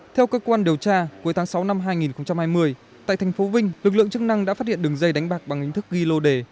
theo cơ quan điều tra cuối tháng sáu năm hai nghìn hai mươi tại thành phố vinh lực lượng chức năng đã phát hiện đường dây đánh bạc bằng hình thức ghi lô đề